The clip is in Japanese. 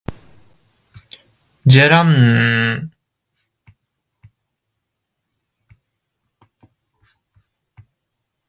じゃらんーーーーー